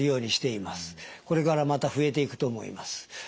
これからまた増えていくと思います。